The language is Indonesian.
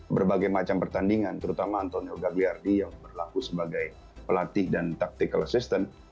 berbagai macam pertandingan terutama antonio gagliardi yang berlaku sebagai pelatih dan taktikal assistant